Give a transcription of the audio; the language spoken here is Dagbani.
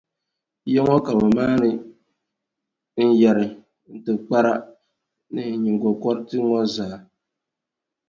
Ya ŋɔ ka bɛ maali n yɛri, n tibikpara ni n nyiŋgokɔriti ŋɔ zaa.